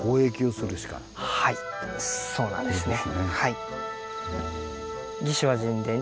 そうなんですね。